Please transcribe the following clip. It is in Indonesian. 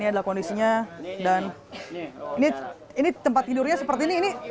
ini adalah kondisinya dan ini tempat tidurnya seperti ini